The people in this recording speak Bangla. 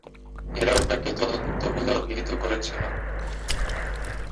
ওরা ওটাকে তদন্ত বলে অভিহিত করেছিল।